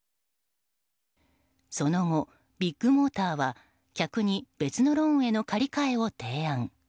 その後、ビッグモーターは客に別のローンへの借り換えを提案。